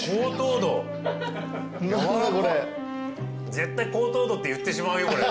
絶対高糖度って言ってしまうよ。